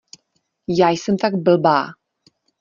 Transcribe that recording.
Já jsem tak blbá!